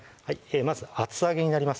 まず厚揚げになります